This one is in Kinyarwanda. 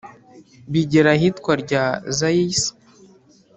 Bigera ahitwa Rya Zayasi